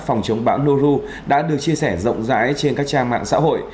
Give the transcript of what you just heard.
phòng chống bão noru đã được chia sẻ rộng rãi trên các trang mạng xã hội